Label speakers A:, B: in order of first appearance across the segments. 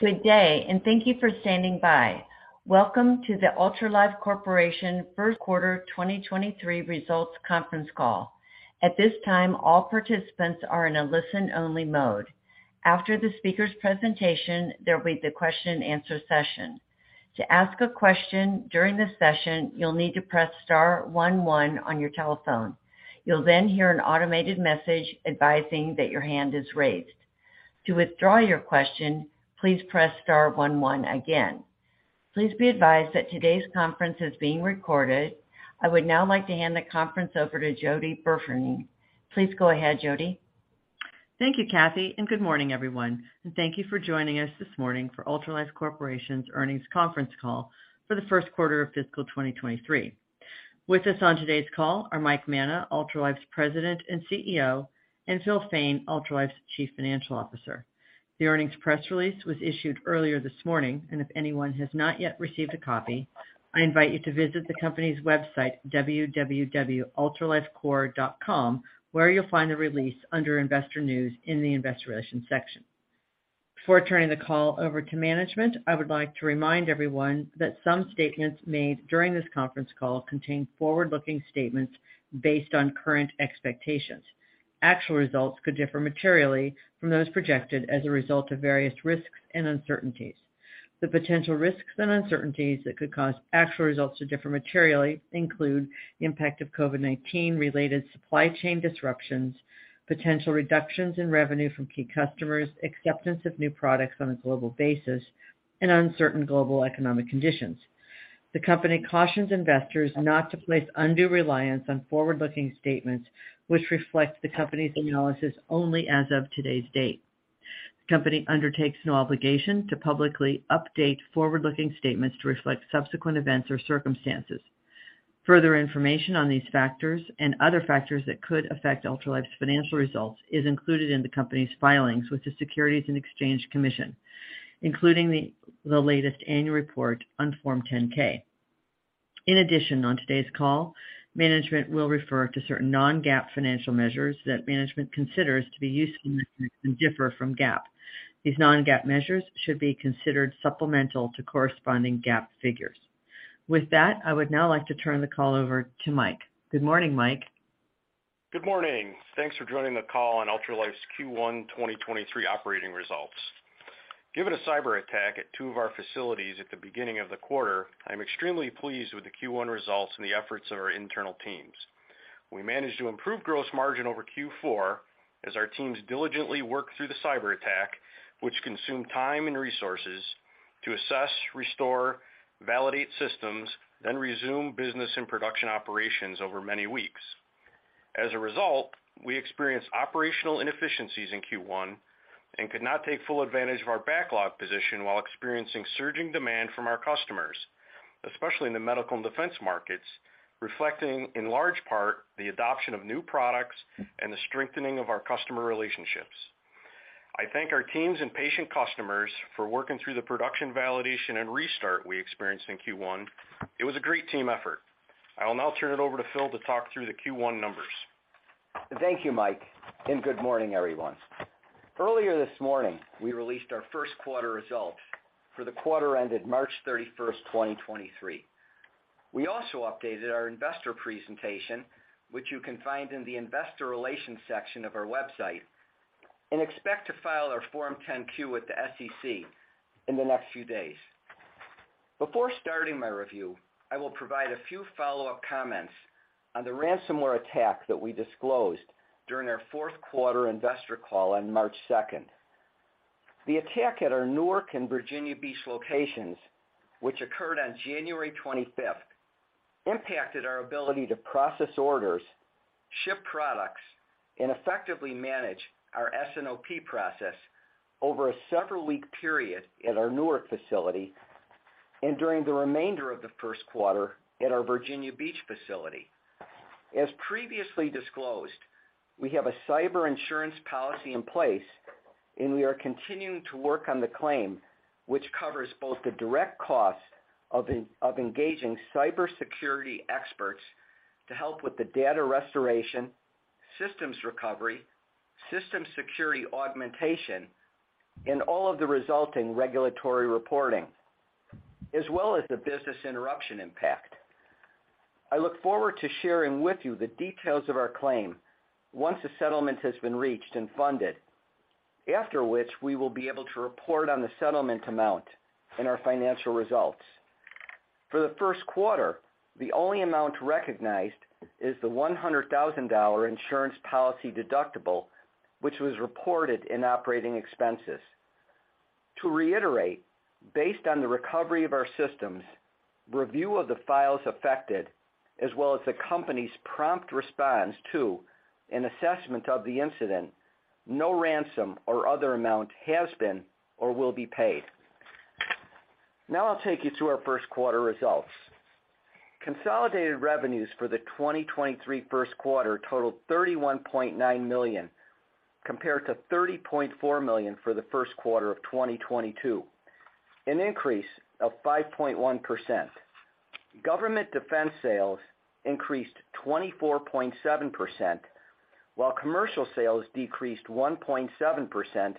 A: Good day. Thank you for standing by. Welcome to the Ultralife Corporation Q1 2023 Results Conference Call. At this time, all participants are in a listen-only mode. After the speaker's presentation, there'll be the question and answer session. To ask a question during this session, you'll need to press star one one on your telephone. You'll hear an automated message advising that your hand is raised. To withdraw your question, please press star one one again. Please be advised that today's conference is being recorded. I would now like to hand the conference over to Jody Burfening. Please go ahead, Jody.
B: Thank you, Kathy, and good morning, everyone. Thank you for joining us this morning for Ultralife Corporation's earnings conference call for the Q1 of fiscal 2023. With us on today's call are Mike Manna, Ultralife's President and CEO, and Phil Fain, Ultralife's Chief Financial Officer. The earnings press release was issued earlier this morning, and if anyone has not yet received a copy, I invite you to visit the company's website, www.ultralifecorp.com, where you'll find the release under Investor News in the Investor Relations section. Before turning the call over to management, I would like to remind everyone that some statements made during this conference call contain forward-looking statements based on current expectations. Actual results could differ materially from those projected as a result of various risks and uncertainties. The potential risks and uncertainties that could cause actual results to differ materially include the impact of COVID-19-related supply chain disruptions, potential reductions in revenue from key customers, acceptance of new products on a global basis, and uncertain global economic conditions. The company cautions investors not to place undue reliance on forward-looking statements which reflect the company's analysis only as of today's date. The company undertakes no obligation to publicly update forward-looking statements to reflect subsequent events or circumstances. Further information on these factors and other factors that could affect Ultralife's financial results is included in the company's filings with the Securities and Exchange Commission, including the latest annual report on Form 10-K. On today's call, management will refer to certain non-GAAP financial measures that management considers to be useful measures and differ from GAAP. These non-GAAP measures should be considered supplemental to corresponding GAAP figures. With that, I would now like to turn the call over to Mike. Good morning, Mike.
C: Good morning. Thanks for joining the call on Ultralife's Q1 2023 operating results. Given a cyberattack at two of our facilities at the beginning of the quarter, I'm extremely pleased with the Q1 results and the efforts of our internal teams. We managed to improve gross margin over Q4 as our teams diligently work through the cyberattack, which consumed time and resources to assess, restore, validate systems, then resume business and production operations over many weeks. As a result, we experienced operational inefficiencies in Q1 and could not take full advantage of our backlog position while experiencing surging demand from our customers, especially in the medical and defense markets, reflecting in large part the adoption of new products and the strengthening of our customer relationships. I thank our teams and patient customers for working through the production validation and restart we experienced in Q1. It was a great team effort. I will now turn it over to Phil to talk through the Q1 numbers.
D: Thank you, Mike, and good morning, everyone. Earlier this morning, we released our Q1 results for the quarter ended March 31, 2023. We also updated our investor presentation, which you can find in the Investor Relations section of our website, and expect to file our Form 10-Q with the SEC in the next few days. Before starting my review, I will provide a few follow-up comments on the ransomware attack that we disclosed during our Q4 investor call on March 2. The attack at our Newark and Virginia Beach locations, which occurred on January 25, impacted our ability to process orders, ship products, and effectively manage our S&OP process over a several-week period at our Newark facility and during the remainder of the Q1 at our Virginia Beach facility. As previously disclosed, we have a cyber insurance policy in place, and we are continuing to work on the claim, which covers both the direct cost of engaging cybersecurity experts to help with the data restoration, systems recovery, systems security augmentation, and all of the resulting regulatory reporting, as well as the business interruption impact. I look forward to sharing with you the details of our claim once a settlement has been reached and funded, after which we will be able to report on the settlement amount in our financial results. For the Q1, the only amount recognized is the $100,000 insurance policy deductible, which was reported in operating expenses. To reiterate, based on the recovery of our systems, review of the files affected, as well as the company's prompt response to an assessment of the incident, no ransom or other amount has been or will be paid. Now I'll take you through our Q1 results. Consolidated revenues for the 2023 Q1 totaled $31.9 million compared to $30.4 million for the Q1 of 2022, an increase of 5.1%. Government defense sales increased 24.7%, while commercial sales decreased 1.7%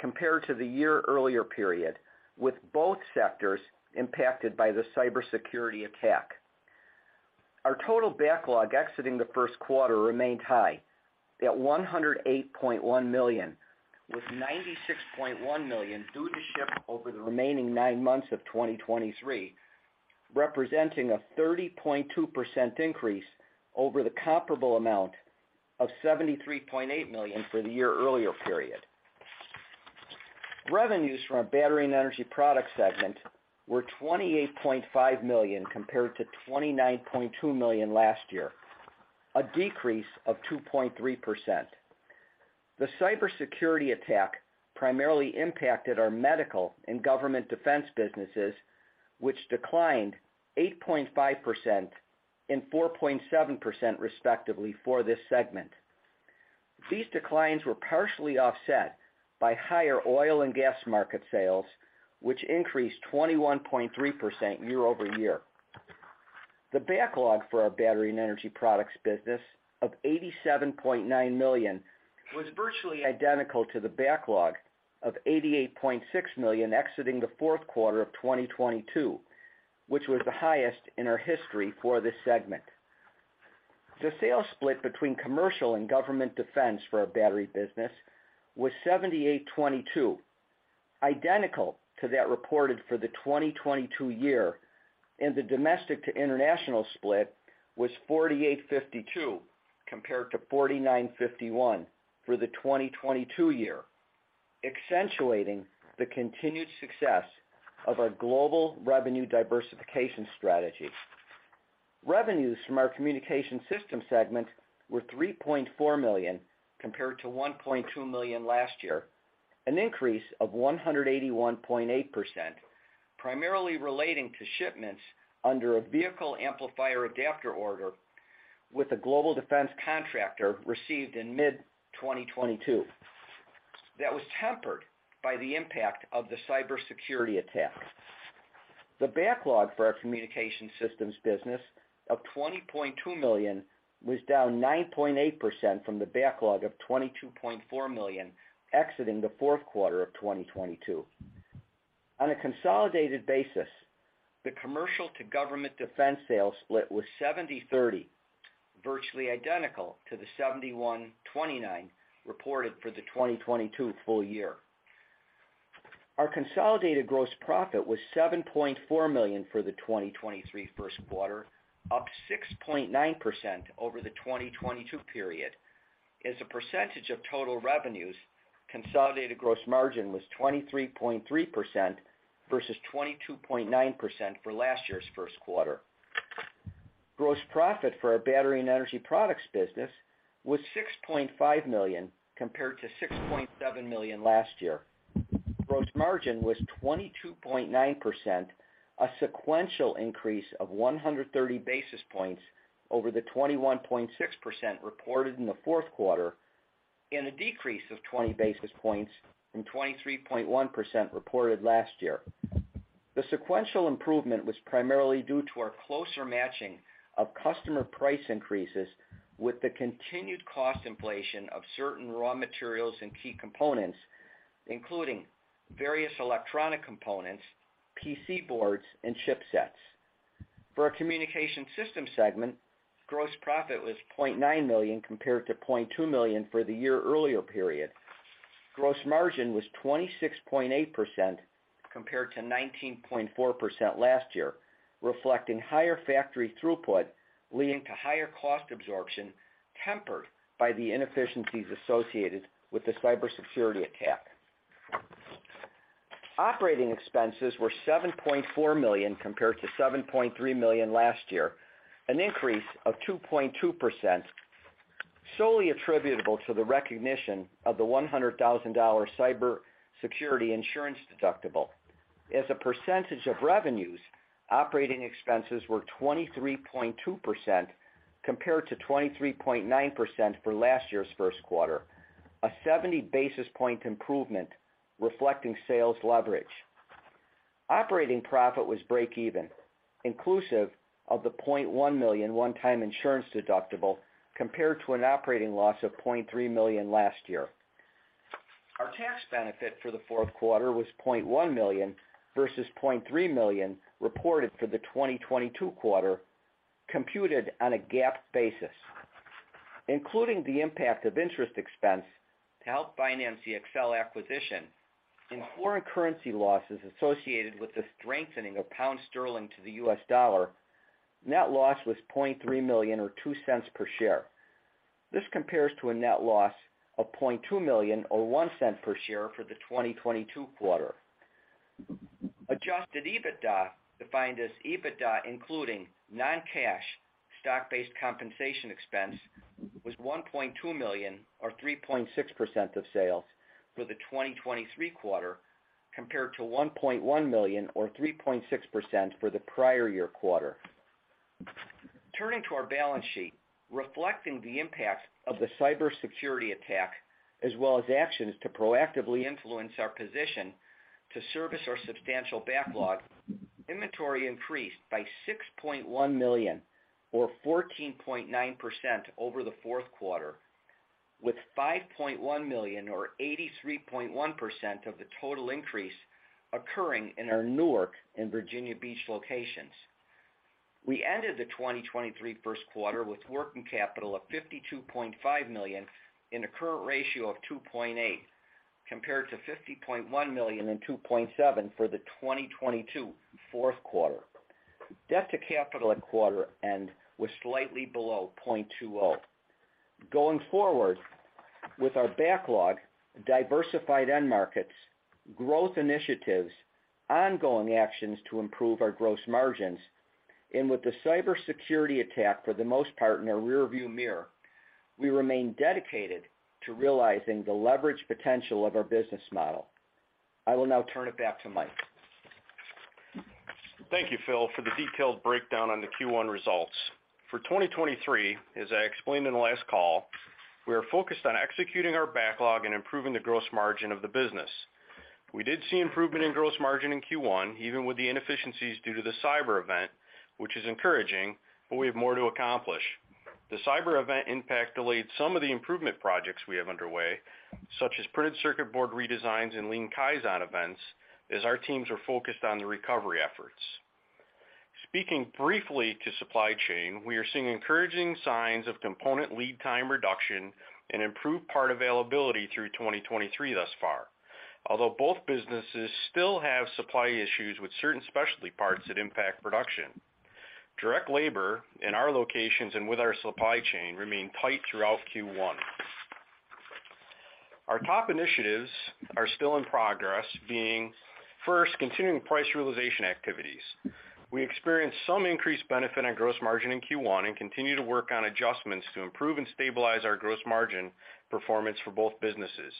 D: compared to the year earlier period, with both sectors impacted by the cybersecurity attack. Our total backlog exiting the Q1 remained high at $108.1 million, with $96.1 million due to ship over the remaining 9 months of 2023, representing a 30.2% increase over the comparable amount of $73.8 million for the year-earlier period. Revenues from our Battery & Energy Products segment were $28.5 million compared to $29.2 million last year, a decrease of 2.3%. The cybersecurity attack primarily impacted our medical and government defense businesses, which declined 8.5% and 4.7% respectively for this segment. These declines were partially offset by higher oil and gas market sales, which increased 21.3% year-over-year. The backlog for our Battery & Energy Products business of $87.9 million was virtually identical to the backlog of $88.6 million exiting the Q4 of 2022, which was the highest in our history for this segment. The sales split between commercial and government defense for our battery business was 78/22, identical to that reported for the 2022 year. The domestic to international split was 48/52 compared to 49/51 for the 2022 year, accentuating the continued success of our global revenue diversification strategy. Revenues from our communication system segment were $3.4 million compared to $1.2 million last year, an increase of 181.8%, primarily relating to shipments under a Vehicle Amplifier Adapter order with a global defense contractor received in mid-2022. That was tempered by the impact of the cybersecurity attack. The backlog for our Communications Systems business of $20.2 million was down 9.8% from the backlog of $22.4 million exiting the Q4 of 2022. On a consolidated basis, the commercial to government defense sales split was 70/30, virtually identical to the 71/29 reported for the 2022 full year. Our consolidated gross profit was $7.4 million for the 2023 Q1, up 6.9% over the 2022 period. As a percentage of total revenues, consolidated gross margin was 23.3% versus 22.9% for last year's Q1. Gross profit for our Battery & Energy Products business was $6.5 million compared to $6.7 million last year. Gross margin was 22.9%, a sequential increase of 130 basis points over the 21.6% reported in the Q4, and a decrease of 20 basis points from 23.1% reported last year. The sequential improvement was primarily due to our closer matching of customer price increases with the continued cost inflation of certain raw materials and key components, including various electronic components, PC boards, and chipsets. For our Communications Systems segment, gross profit was $0.9 million compared to $0.2 million for the year earlier period. Gross margin was 26.8% compared to 19.4% last year, reflecting higher factory throughput, leading to higher cost absorption, tempered by the inefficiencies associated with the cybersecurity attack. Operating expenses were $7.4 million compared to $7.3 million last year, an increase of 2.2%, solely attributable to the recognition of the $100,000 cyber security insurance deductible. As a percentage of revenues, operating expenses were 23.2% compared to 23.9% for last year's Q1, a 70 basis point improvement reflecting sales leverage. Operating profit was break even, inclusive of the $0.1 million one-time insurance deductible compared to an operating loss of $0.3 million last year. Our tax benefit for the Q4 was $0.1 million versus $0.3 million reported for the 2022 quarter computed on a GAAP basis. Including the impact of interest expense to help finance the Excell acquisition and foreign currency losses associated with the strengthening of pound sterling to the US dollar, net loss was $0.3 million or $0.02 per share. This compares to a net loss of $0.2 million or $0.01 per share for the 2022 quarter. Adjusted EBITDA, defined as EBITDA including non-cash stock-based compensation expense, was $1.2 million or 3.6% of sales for the 2023 quarter compared to $1.1 million or 3.6% for the prior year quarter. Turning to our balance sheet, reflecting the impact of the cybersecurity attack, as well as actions to proactively influence our position to service our substantial backlog, inventory increased by $6.1 million or 14.9% over the Q4, with $5.1 million or 83.1% of the total increase occurring in our Newark and Virginia Beach locations. We ended the 2023 Q1 with working capital of $52.5 million and a current ratio of 2.8, compared to $50.1 million and 2.7 for the 2022 Q4. Debt to capital at quarter end was slightly below 0.20. Going forward with our backlog, diversified end markets, growth initiatives, ongoing actions to improve our gross margins, and with the cybersecurity attack for the most part in our rearview mirror, we remain dedicated to realizing the leverage potential of our business model. I will now turn it back to Mike.
C: Thank you, Phil, for the detailed breakdown on the Q1 results. For 2023, as I explained in the last call, we are focused on executing our backlog and improving the gross margin of the business. We did see improvement in gross margin in Q1, even with the inefficiencies due to the cyber event, which is encouraging. We have more to accomplish. The cyber event impact delayed some of the improvement projects we have underway, such as printed circuit board redesigns and lean Kaizen events, as our teams are focused on the recovery efforts. Speaking briefly to supply chain, we are seeing encouraging signs of component lead time reduction and improved part availability through 2023 thus far. Both businesses still have supply issues with certain specialty parts that impact production. Direct labor in our locations and with our supply chain remain tight throughout Q1. Our top initiatives are still in progress, being first, continuing price realization activities. We experienced some increased benefit on gross margin in Q1 and continue to work on adjustments to improve and stabilize our gross margin performance for both businesses.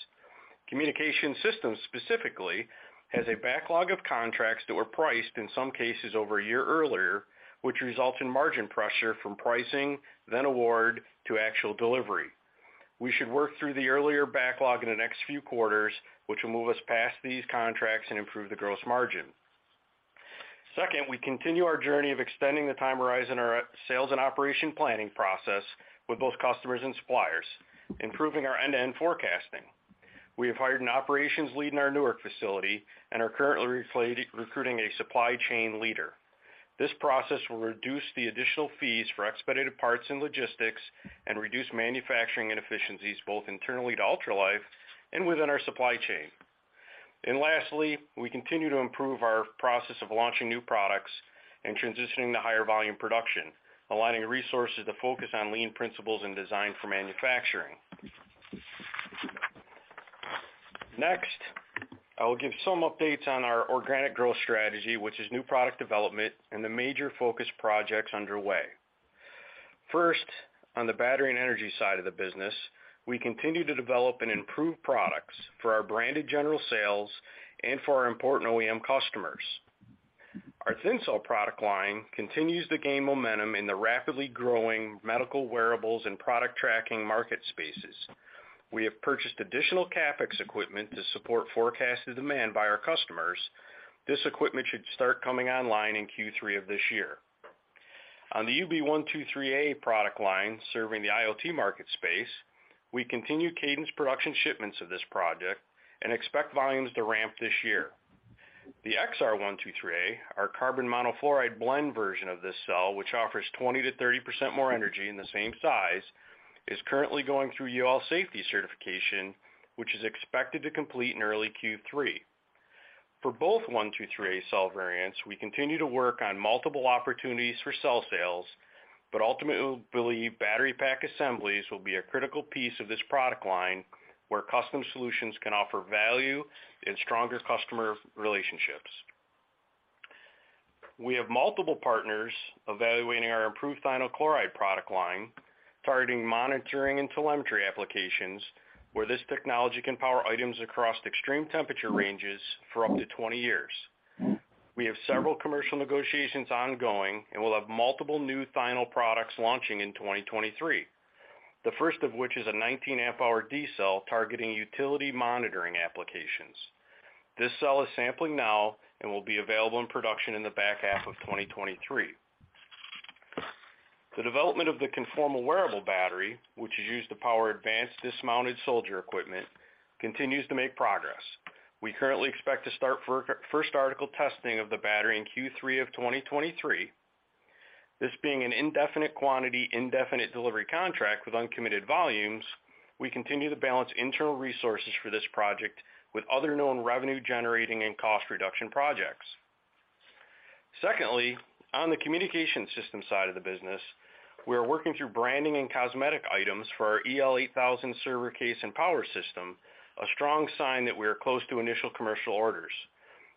C: Communications Systems specifically has a backlog of contracts that were priced in some cases over 1 year earlier, which results in margin pressure from pricing, then award to actual delivery. We should work through the earlier backlog in the next few quarters, which will move us past these contracts and improve the gross margin. Second, we continue our journey of extending the time horizon our sales and operation planning process with both customers and suppliers, improving our end-to-end forecasting. We have hired an operations lead in our Newark facility and are currently recruiting a supply chain leader. This process will reduce the additional fees for expedited parts and logistics and reduce manufacturing inefficiencies, both internally to Ultralife and within our supply chain. Lastly, we continue to improve our process of launching new products and transitioning to higher volume production, aligning resources to focus on lean principles and design for manufacturing. Next, I will give some updates on our organic growth strategy, which is new product development and the major focus projects underway. First, on the Battery & Energy Products side of the business, we continue to develop and improve products for our branded general sales and for our important OEM customers. Our Thin Cell product line continues to gain momentum in the rapidly growing medical wearables and product tracking market spaces. We have purchased additional CapEx equipment to support forecasted demand by our customers. This equipment should start coming online in Q3 of this year. On the UB123A product line, serving the IoT market space, we continue cadence production shipments of this project and expect volumes to ramp this year. The XR123A, our carbon monofluoride blend version of this cell, which offers 20%-30% more energy in the same size, is currently going through UL safety certification, which is expected to complete in early Q3. For both 123A cell variants, we continue to work on multiple opportunities for cell sales, but ultimately believe battery pack assemblies will be a critical piece of this product line, where custom solutions can offer value and stronger customer relationships. We have multiple partners evaluating our improved thionyl chloride product line, targeting monitoring and telemetry applications, where this technology can power items across extreme temperature ranges for up to 20 years. We have several commercial negotiations ongoing, and we'll have multiple new thionyl products launching in 2023. The first of which is a 19 amp-hour D cell targeting utility monitoring applications. This cell is sampling now and will be available in production in the back half of 2023. The development of the Conformal Wearable Battery, which is used to power advanced dismounted soldier equipment, continues to make progress. We currently expect to start first article testing of the battery in Q3 of 2023. This being an indefinite quantity, indefinite delivery contract with uncommitted volumes, we continue to balance internal resources for this project with other known revenue-generating and cost reduction projects. Secondly, on the Communications Systems side of the business, we are working through branding and cosmetic items for our EL8000 server case and power system, a strong sign that we are close to initial commercial orders.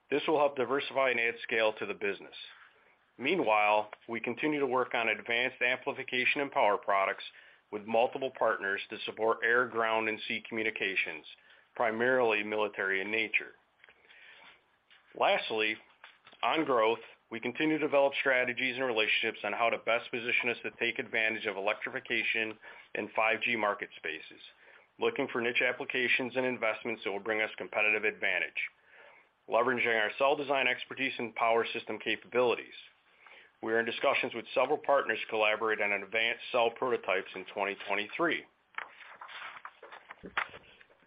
C: This will help diversify and add scale to the business. Meanwhile, we continue to work on advanced amplification and power products with multiple partners to support air, ground, and sea communications, primarily military in nature. Lastly, on growth, we continue to develop strategies and relationships on how to best position us to take advantage of electrification in 5G market spaces, looking for niche applications and investments that will bring us competitive advantage, leveraging our cell design expertise and power system capabilities. We are in discussions with several partners to collaborate on advanced cell prototypes in 2023.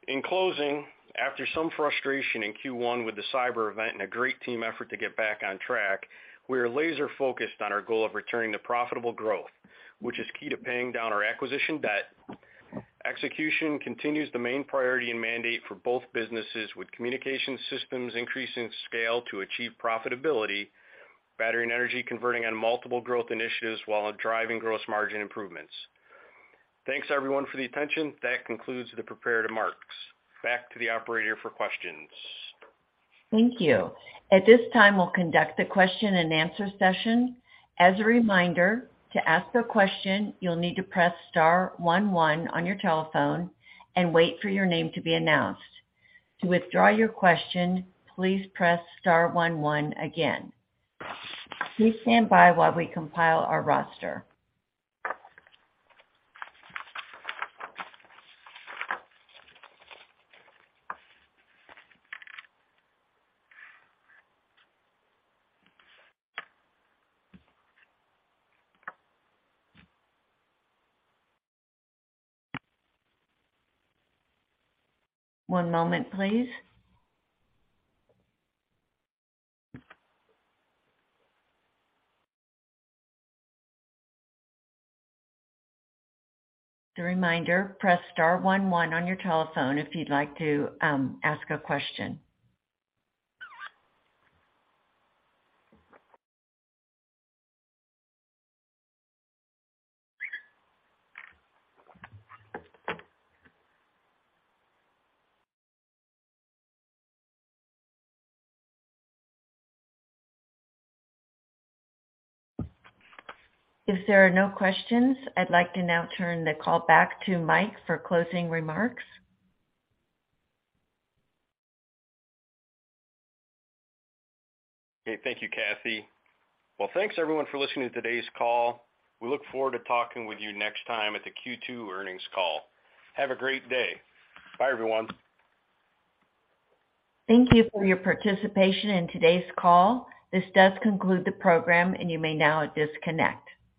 C: In closing, after some frustration in Q1 with the cyber event and a great team effort to get back on track, we are laser-focused on our goal of returning to profitable growth, which is key to paying down our acquisition debt. Execution continues the main priority and mandate for both businesses, with Communications Systems increasing scale to achieve profitability, Battery and Energy converting on multiple growth initiatives while driving gross margin improvements. Thanks everyone for the attention. That concludes the prepared remarks. Back to the operator for questions.
A: Thank you. At this time, we'll conduct a question and answer session. As a reminder, to ask a question, you'll need to press star one one on your telephone and wait for your name to be announced. To withdraw your question, please press star one one again. Please stand by while we compile our roster. One moment, please. A reminder, press star one one on your telephone if you'd like to ask a question. If there are no questions, I'd like to now turn the call back to Mike for closing remarks.
C: Okay. Thank you, Kathy. Thanks everyone for listening to today's call. We look forward to talking with you next time at the Q2 earnings call. Have a great day. Bye, everyone.
A: Thank you for your participation in today's call. This does conclude the program, and you may now disconnect.